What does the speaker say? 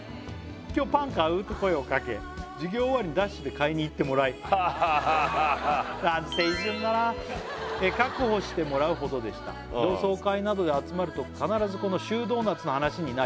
「今日パン買う？と声をかけ」「授業終わりにダッシュで買いに行ってもらい」ハハハハ「確保してもらうほどでした」「同窓会などで集まると必ずこのシュードーナツの話になり」